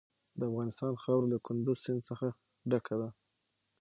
د افغانستان خاوره له کندز سیند څخه ډکه ده.